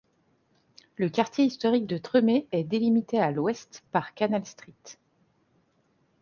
Le quartier historique de Tremé est délimité à l'ouest par Canal Street.